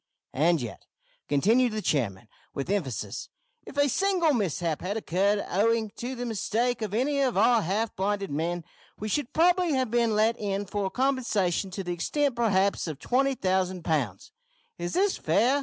"And yet," continued the chairman, with emphasis, "if a single mishap had occurred owing to the mistake of any of our half blinded men, we should probably have been let in for compensation to the extent perhaps of 20,000 pounds! Is this fair?